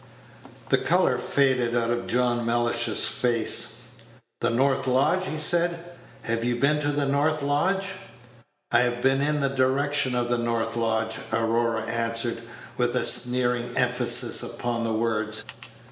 The color faded out of John Mellish's face. "The north lodge!" he said. "Have you been to the north lodge?" "I have been in the direction of the north lodge," Aurora answered, with a sneering emphasis upon the words.